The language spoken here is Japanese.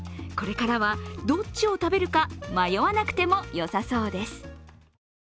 これからはどっちを食べるか迷わなくてもよさそうです。